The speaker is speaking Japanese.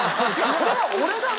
これは俺だな！